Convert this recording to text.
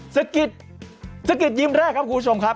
สะกิดสะกิดยิ้มแรกครับคุณผู้ชมครับ